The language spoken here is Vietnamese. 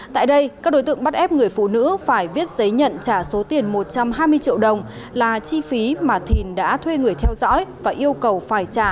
tại đây các đối tượng bắt ép người phụ nữ phải viết giấy nhận trả số tiền một trăm hai mươi triệu đồng là chi phí mà thìn đã thuê người theo dõi và yêu cầu phải trả